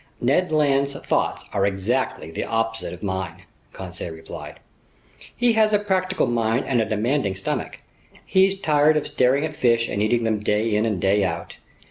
"Ned Land's thoughts are exactly the opposite of mine," Conseil replied. "He has a practical mind and a demanding stomach. He's tired of staring at fish and eating them day in and day out.